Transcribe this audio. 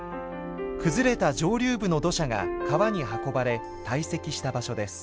崩れた上流部の土砂が川に運ばれ堆積した場所です。